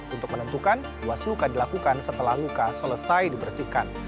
untuk menentukan luas luka dilakukan setelah luka selesai dibersihkan